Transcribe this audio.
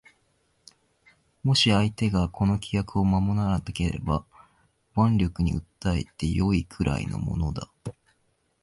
もし相手がこの規約を守らなければ腕力に訴えて善いくらいのものだ